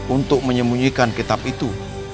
untuk menyemunyikan kitab itu